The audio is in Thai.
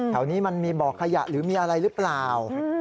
นี้มันมีบ่อขยะหรือมีอะไรหรือเปล่า